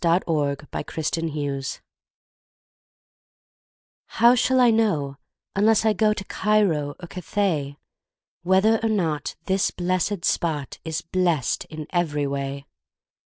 To the Not Impossible Him HOW shall I know, unless I go To Cairo or Cathay, Whether or not this blessèd spot Is blest in every way?